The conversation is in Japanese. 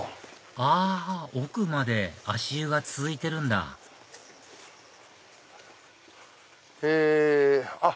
あ奥まで足湯が続いてるんだあっ！